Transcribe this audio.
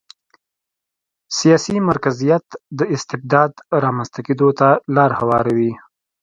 سیاسي مرکزیت د استبداد رامنځته کېدو ته لار هواروي.